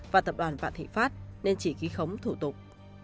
và tập đoàn vạn thị pháp nên chỉ ghi khống thủ tục